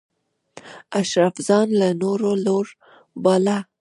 اشراف ځان له نورو لوړ باله.